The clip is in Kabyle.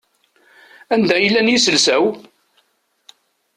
Anda i llan yiselsa-w?